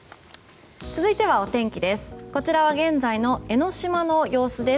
続いてはお天気です。